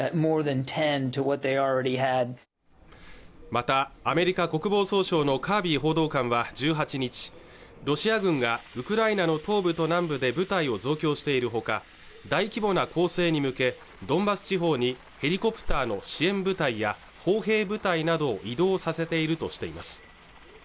またアメリカ国防総省のカービー報道官は１８日ロシア軍がウクライナの東部と南部で部隊を増強しているほか大規模な攻勢に向けドンバス地方にヘリコプターの支援部隊や砲兵部隊などを移動させているとしています